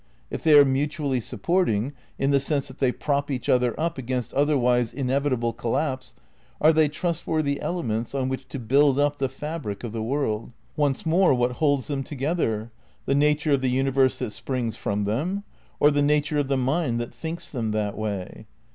If they are mutually supporting, in the sense that they prop each other up against otherwise inevitable collapse, are they trust worthy elements on which to build up the fabric of the world? Once more, What holds them together? The nature of the universe that springs from them 1 Or the nature of the mind that thinks them that way?